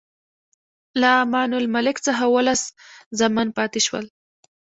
له امان الملک څخه اووه لس زامن پاتې شول.